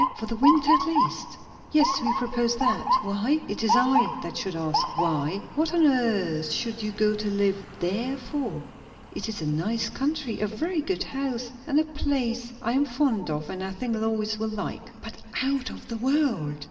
_ for the winter at least?" "Yes, we propose that. Why?" "It is I that should ask 'why.' What on earth should you go to live there for?" "It is a nice country, a very good house, and a place I am fond of, and I think Lois will like." "But out of the world!"